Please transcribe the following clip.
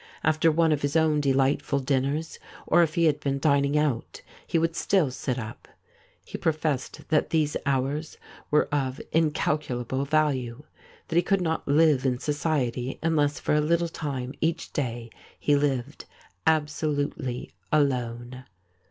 After one of his own delightful dinners, or if he had been dining out, he would still sit up. He professed that these hours were of incalcu lable value — that he could not live in society unless for a little time each day he lived absolutely alone.